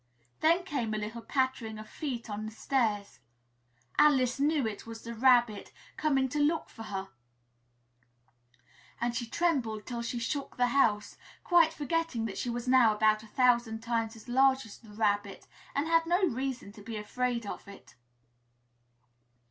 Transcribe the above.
Then came a little pattering of feet on the stairs. Alice knew it was the Rabbit coming to look for her and she trembled till she shook the house, quite forgetting that she was now about a thousand times as large as the Rabbit and had no reason to be afraid of it.